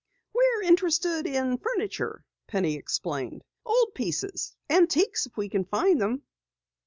"We're interested in furniture," Penny explained. "Old pieces antiques if we can find them."